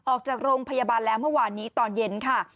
ออกจากโรงพยาบาลแล้วเมื่อวานนี้ตอนเย็นค่ะ